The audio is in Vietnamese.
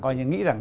coi như nghĩ rằng